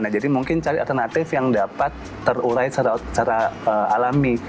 nah jadi mungkin cari alternatif yang dapat terurai secara alami